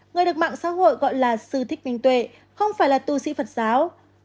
người được mạng xã hội gọi là sư thích minh tuệ không phải là tu sĩ phật giáo